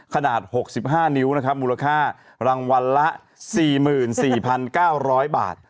ขนาด๖๕นิ้วนะครับมูลค่ารางวัลละ๔๔๙๐๐บาท